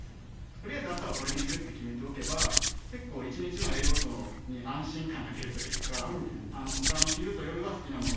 とりあえず朝はこれにするって決めておけば結構一日の栄養素に安心感が出るというか他の昼と夜は好きなもの